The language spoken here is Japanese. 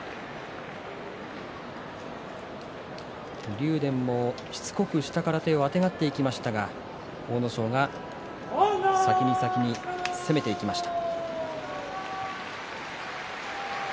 竜電も、しつこく下から手をあてがっていきましたが阿武咲が先に先に攻めていきました。